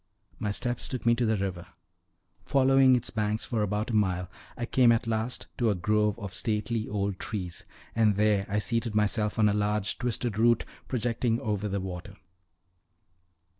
My steps took me to the river. Following its banks for about a mile, I came at last to a grove of stately old trees, and there I seated myself on a large twisted root projecting over the water.